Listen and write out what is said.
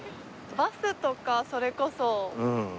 バスとかそれこそ。